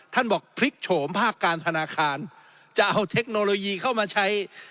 บอกพลิกโฉมภาคการธนาคารจะเอาเทคโนโลยีเข้ามาใช้